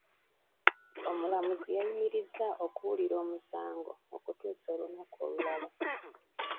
Omulamuzi yayimirizza okuwulira omusango okutuuka olunaku olulala.